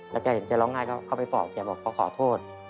แล้วแกเห็นแกร้องไห้ก็เข้าไปบอกแกบอกเขาขอโทษ